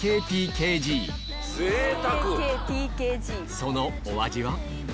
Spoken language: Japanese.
そのお味は？